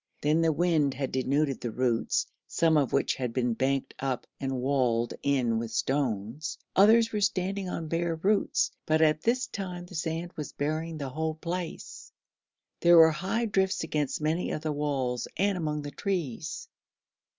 Then the wind had denuded the roots, some of which had been banked up and walled in with stones; others were standing on bare roots, but at this time the sand was burying the whole place. There were high drifts against many of the walls and among the trees.